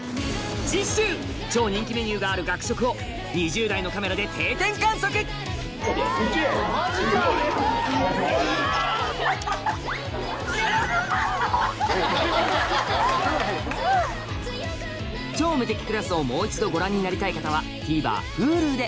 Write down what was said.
次週超人気メニューがある学食を２０台のカメラで定点観測『超無敵クラス』をもう一度ご覧になりたい方はＴＶｅｒＨｕｌｕで